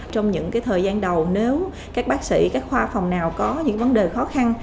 trong những thời gian đầu nếu các bác sĩ các khoa phòng nào có những vấn đề khó khăn